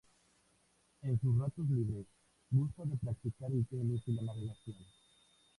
En sus ratos libre gusta de practicar el tenis y la navegación.